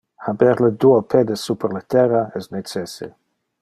Haber le duo pedes super le terra es necesse.